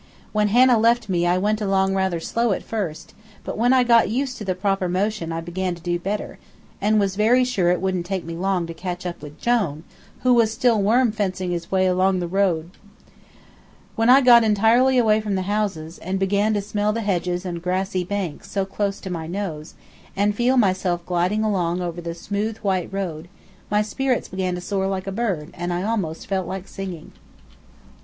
When Hannah left me I went along rather slow at first, but when I got used to the proper motion I began to do better, and was very sure it wouldn't take me long to catch up with Jone, who was still worm fencing his way along the road. When I got entirely away from the houses, and began to smell the hedges and grassy banks so close to my nose, and feel myself gliding along over the smooth white road, my spirits began to soar like a bird, and I almost felt like singing.